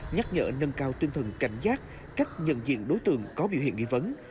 nhắc nhở nâng cao tuyên thần cảnh giác các nhân diện đối tượng có biểu hiện nghi vấn